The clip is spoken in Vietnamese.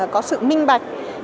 có sự minh bạch